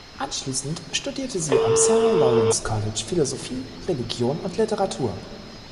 Anschließend studierte sie am Sarah Lawrence College Philosophie, Religion und Literatur.